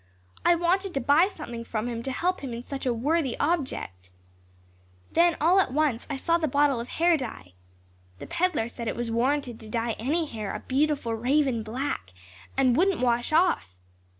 I wanted to buy something from him to help him in such a worthy object. Then all at once I saw the bottle of hair dye. The peddler said it was warranted to dye any hair a beautiful raven black and wouldn't wash off.